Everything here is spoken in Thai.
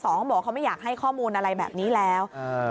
เขาบอกว่าเขาไม่อยากให้ข้อมูลอะไรแบบนี้แล้ว